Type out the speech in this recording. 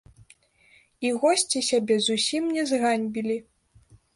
І госці сябе зусім не зганьбілі.